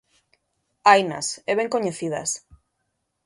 Hainas, e ben coñecidas.